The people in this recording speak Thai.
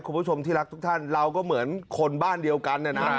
คุณผู้ชมที่รักทุกท่านเราก็เหมือนคนบ้านเดียวกันเนี่ยนะ